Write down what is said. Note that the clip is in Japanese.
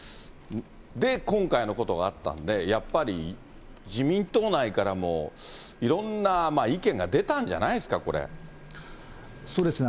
で、今回のことがあったんで、やっぱり自民党内からもいろんな意見が出たんじゃないですか、こそうですね。